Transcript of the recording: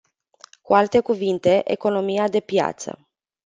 Cu alte cuvinte, economia de piață.